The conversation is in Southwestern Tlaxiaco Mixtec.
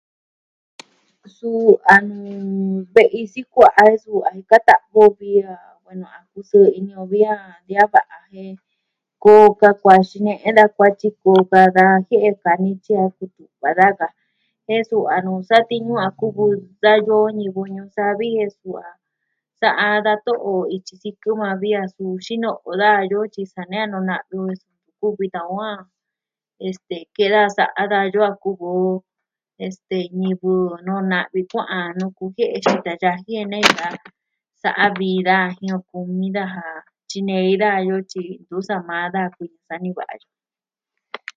Suu a nuu ve'i sikua'a su a jika ta'vi a nakusɨɨ ini o vi a de a va'a jen koo tan kuaa xine'e da kuatyi, koo ka da jie'e sa'a nityi kutu'va ka daja ka,l jen suu, a nuu satiñu a kuvi dayoo ñivɨ ñuu savi jen su a. Sa'a da to'o ityi sikɨ yukuan vi a su xino'o daja dayoo tyi sa ne a no'o na'vi o jen ntu kuvi tan on a, este, ke'e daja sa'a daja dayoo a kuvi o. este, ñivɨ no'o na'vi kua'an jan nuku jie'e xita yaji jen nejika sa'a vii daja jin on kumi daja. Tyinei daja yoo tyi ntu sa maa daja kuvi sa'a niva'a yoo.